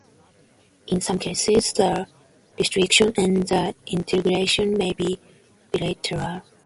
In some cases, the restriction and the integration may be bilateral.